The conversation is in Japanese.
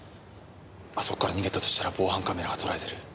あそこから逃げたとしたら防犯カメラがとらえてる。